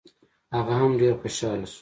هغه هم ډېر خوشحاله شو.